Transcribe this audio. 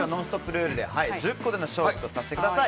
ルールで１０個での勝利とさせてください。